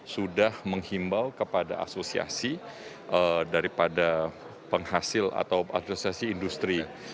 sudah menghimbau kepada asosiasi daripada penghasil atau asosiasi industri